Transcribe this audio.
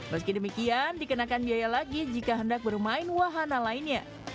meski demikian dikenakan biaya lagi jika hendak bermain wahana lainnya